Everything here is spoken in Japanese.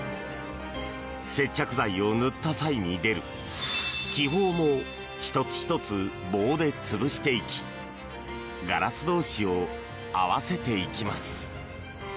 接着剤を塗った際に出る気泡も１つ１つ棒で潰していきガラス同士を合わせていきます。